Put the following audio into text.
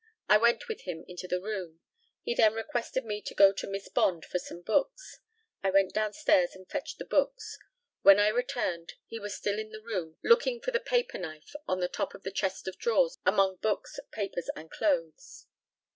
I went with him into the room. He then requested me to go to Miss Bond for some books. I went downstairs and fetched the books. When I returned he was still in the room looking for the paperknife on the top of the chest of drawers among books, papers, and clothes.